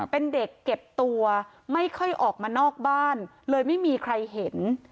เป็นเด็กเก็บตัวไม่ค่อยออกมานอกบ้านเลยไม่มีใครเห็น